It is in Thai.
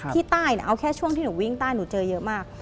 ที่ใต้เอาแค่ช่วงที่หนูวิ่งใต้หนูเจอเยอะมาก